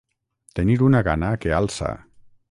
Tenir una gana que alça.